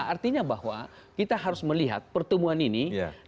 artinya bahwa kita harus melihat pertemuan ini